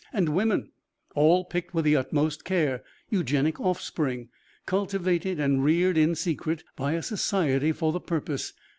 And women. All picked with the utmost care. Eugenic offspring. Cultivated and reared in secret by a society for the purpose.